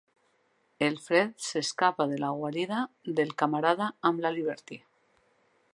El Fred s'escapa de la guarida del camarada amb la Liberty.